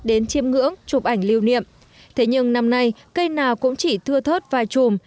đến chiêm ngưỡng chụp ảnh lưu niệm thế nhưng năm nay cây nào cũng chỉ thưa thớt vài chùm